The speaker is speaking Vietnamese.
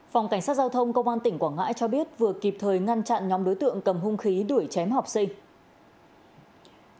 phòng cảnh sát giao thông công an tỉnh quảng ngãi cho biết vừa kịp thời ngăn chặn nhóm đối tượng cầm hung khí đuổi chém học sinh